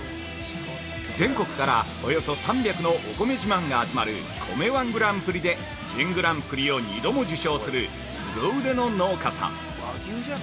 全国から、およそ３００のお米自慢が集まる米−１グランプリで準グランプリを２度も受賞するすご腕の農家さん。